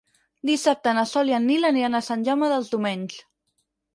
Dissabte na Sol i en Nil aniran a Sant Jaume dels Domenys.